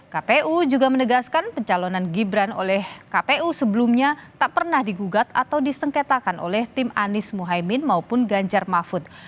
kpu juga menegaskan pencalonan gibran oleh kpu sebelumnya tak pernah digugat atau disengketakan oleh tim anies mohaimin maupun ganjar mahfud